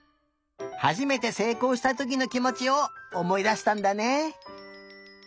はじめてせいこうしたときのきもちをおもいだしたんだね。